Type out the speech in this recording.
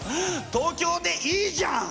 東京でいいじゃん！